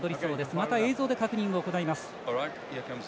また映像で確認を行います。